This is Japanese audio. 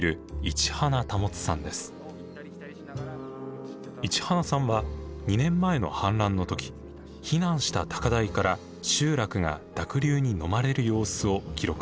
市花さんは２年前の氾濫の時避難した高台から集落が濁流にのまれる様子を記録していました。